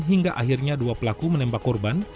hingga akhirnya dua pelaku menembak korban